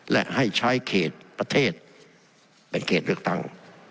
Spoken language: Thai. และให้ใช้เขตประเทศเป็นเขตเลือกตั้ง